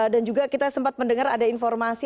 dan juga kita sempat mendengar ada informasi